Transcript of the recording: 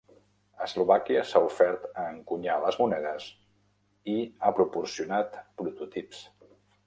Eslovàquia s'ha ofert a encunyar les monedes i ha proporcionat prototips.